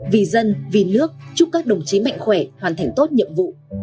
vì dân vì nước chúc các đồng chí mạnh khỏe hoàn thành tốt nhiệm vụ